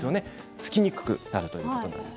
つきにくくなるということです。